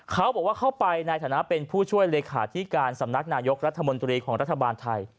เขาบอกว่าเข้าไปในฐานะเป็นผู้ช่วยเลขาธิการสำนักนายกรัฐมนตรีของรัฐบาลไทย